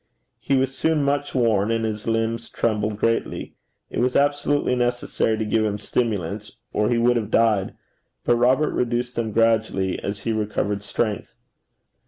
He was soon much worn, and his limbs trembled greatly. It was absolutely necessary to give him stimulants, or he would have died, but Robert reduced them gradually as he recovered strength.